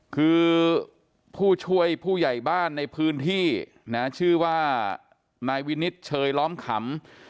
คือผู้ช่วยผู้ใหญ่บ้านในพื้นที่นะชื่อว่านายวินิตเชยล้อมขำ